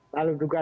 lalu juga ada